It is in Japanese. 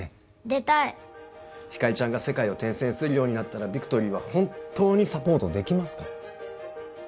出たいひかりちゃんが世界を転戦するようになったらビクトリーは本当にサポートできますか？